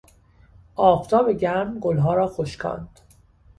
آفتاب گرم گلها را خشکاند.